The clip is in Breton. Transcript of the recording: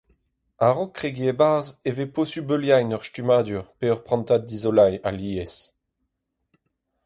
A-raok kregiñ e-barzh e vez posupl heuliañ ur stummadur pe ur prantad-dizoleiñ alies.